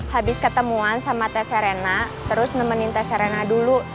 habis ketemuan sama tess serena terus nemenin tess serena dulu